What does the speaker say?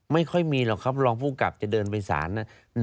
ไม่ค่อยมีหรอกครับรองผู้กลับจะเดินไปสารนะ